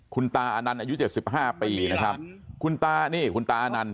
คุณตาอนันต์อายุเจ็ดสิบห้าปีนะครับคุณตานี่คุณตาอนันต